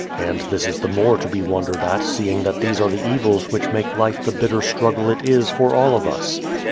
And this is the more to be wondered at seeing that these are the evils which make life the bitter struggle it is for all of us.